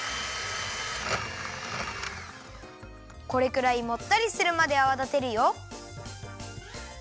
これくらいもったりするまであわだてるよ。